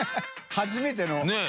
初めての。ねぇ。